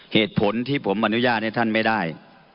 เหตุผลที่ผมอนุญาตให้ท่านไม่ได้